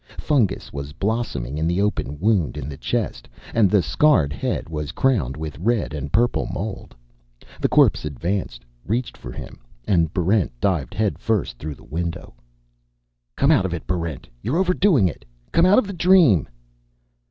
Fungus was blossoming in the open wound in the chest, and the scarred head was crowned with red and purple mold. The corpse advanced, reached for him, and Barrent dived headfirst through the window. "_Come out of it, Barrent. You're overdoing it. Come out of the dream.